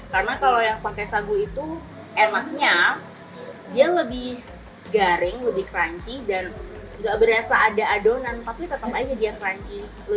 karena kalau yang pakai sagu itu enaknya dia lebih garing lebih crunchy dan tidak berasa ada adonan tapi tetap aja dia crunchy